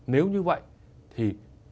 nếu như vậy thì